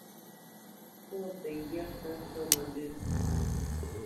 Pɔ̂ pəŋgyá pə̂ tsəghó lə́.